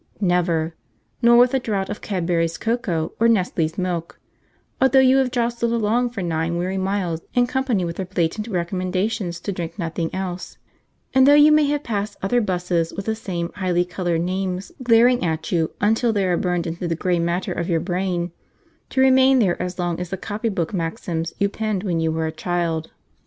Never; nor with a draught of Cadbury's cocoa or Nestle's milk, although you have jostled along for nine weary miles in company with their blatant recommendations to drink nothing else, and though you may have passed other 'buses with the same highly coloured names glaring at you until they are burned into the grey matter of your brain, to remain there as long as the copy book maxims you penned when you were a child.